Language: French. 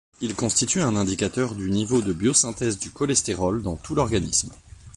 Il constitue un indicateur du niveau de biosynthèse du cholestérol dans tout l'organisme.